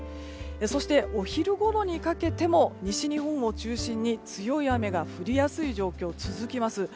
そして、お昼ごろにかけても西日本を中心に強い雨が降りやすい状況が続きます。